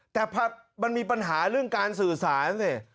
แต่พอมันมีปัญหาเรื่องการสื่อสารสิ